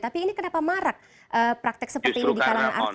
tapi ini kenapa marak praktek seperti ini di kalangan artis